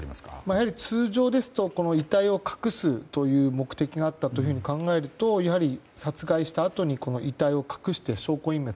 やはり通常ですと遺体を隠すという目的があったと考えるとやはり、殺害したあとにこの遺体を隠して証拠隠滅。